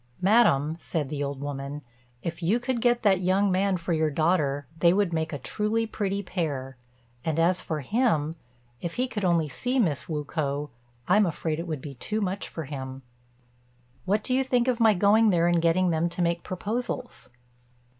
"Madam," said the old woman, "if you could get that young man for your daughter they would make a truly pretty pair; and as for him, if he could only see Miss Wu k'o, I'm afraid it would be too much for him. What do you think of my going there and getting them to make proposals?"